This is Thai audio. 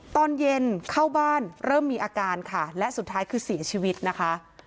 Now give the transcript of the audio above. ตอนเย็นเข้าบ้านเริ่มมีอาการค่ะและสุดท้ายคือเสียชีวิตนะคะ